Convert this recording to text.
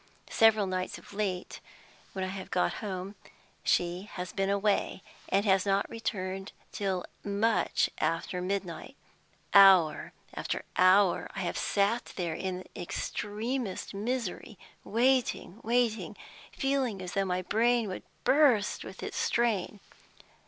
Several nights of late, when I have got home, she has been away, and has not returned till much after midnight. Hour after hour I have sat there in the extremest misery, waiting, waiting, feeling as though my brain would burst with its strain!